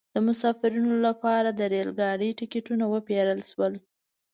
د مسافرینو لپاره د ریل ګاډي ټکټونه وپیرل شول.